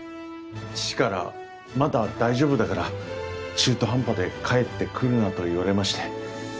父から「まだ大丈夫だから中途半端で帰ってくるな」と言われまして。